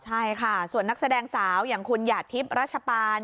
ใช่ค่ะส่วนนักแสดงสาวอย่างคุณหยาดทิพย์รัชปาน